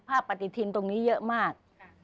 ปฏิทินตรงนี้เยอะมาก